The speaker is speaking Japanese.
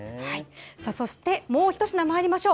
そしてもう１品まいりましょう。